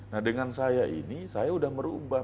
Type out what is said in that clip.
nah dengan saya ini saya sudah merubah